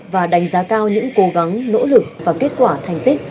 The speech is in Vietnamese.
và đánh giá cao những cố gắng nỗ lực và kết quả thành tích